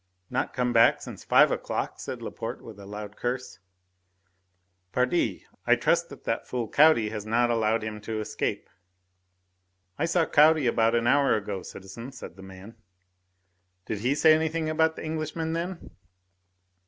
"Not come back since five o'clock?" said Laporte with a loud curse. "Pardi! I trust that that fool Caudy has not allowed him to escape." "I saw Caudy about an hour ago, citizen," said the man. "Did he say anything about the Englishman then?"